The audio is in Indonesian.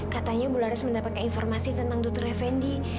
katanya bu laras mendapatkan informasi tentang dutre fendi